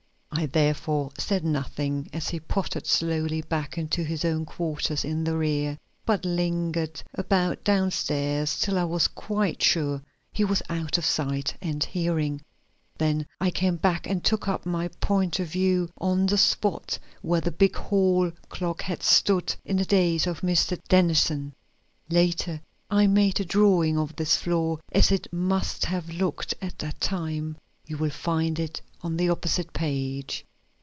I therefore said nothing as he pottered slowly back into his own quarters in the rear, but lingered about down stairs till I was quite sure he was out of sight and hearing. Then I came back and took up my point of view on the spot where the big hall clock had stood in the days of Mr. Dennison. Later, I made a drawing of this floor as it must have looked at that time. You will find it on the opposite page.